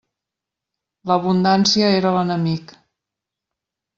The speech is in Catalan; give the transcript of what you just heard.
L'abundància era l'enemic.